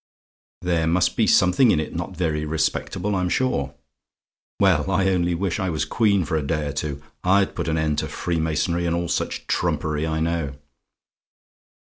There must be something in it not very respectable, I'm sure. Well, I only wish I was Queen for a day or two. I'd put an end to freemasonry, and all such trumpery, I know.